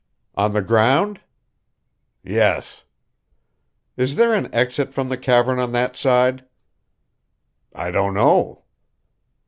"On the ground?" "Yes." "Is there an exit from the cavern on that side?" "I don't know."